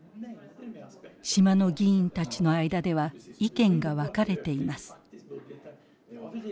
島の議員たちの間では意見が分かれています。